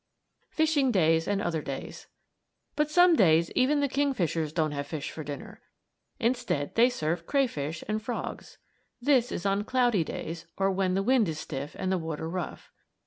FISHING DAYS AND OTHER DAYS But some days even the kingfishers don't have fish for dinner. Instead they serve crayfish and frogs. This is on cloudy days, or when the wind is stiff and the water rough.